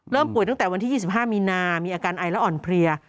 ป่วยตั้งแต่วันที่๒๕มีนามีอาการไอและอ่อนเพลีย